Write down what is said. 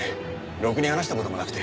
ろくに話した事もなくて。